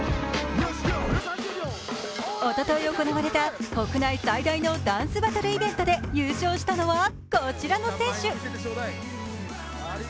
おととい行われた国内最大のダンスバトルイベントで優勝したのはこちらの選手。